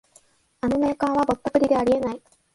あのメーカーはぼったくりであり得ない